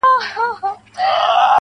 هغه به خپل زړه په ژړا وویني.